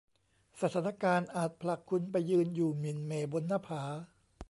สถานการณ์อาจผลักคุณไปยืนอยู่หมิ่นเหม่บนหน้าผา